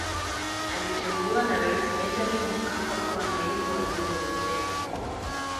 Aliteuliwa na Rais Benjamin Mkapa kuwa Naibu Waziri wa Ujenzi